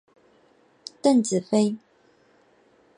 邓紫飞。